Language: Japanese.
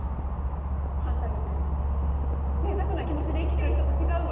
あんたみたいにぜいたくな気持ちで生きてる人と違うわ。